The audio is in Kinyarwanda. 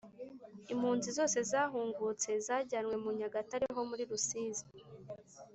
Impunzi zose zahungutse zajyanywe mu nyagatare ho muri Rusizi